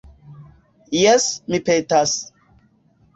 Jes, mi petas.